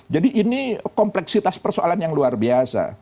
jadi ini kompleksitas persoalan yang luar biasa